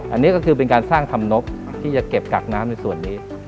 อันนี้ก็คือเป็นการสร้างธรรมนกที่จะเก็บกักน้ำในส่วนนี้